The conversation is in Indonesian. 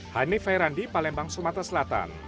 hanif hairandi palembang sumatera selatan